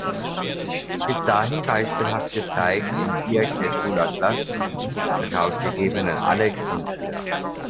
Bis dahin beispielhaft gezeigt im Dierke-Schulatlas, herausgegeben an alle Grundschüler.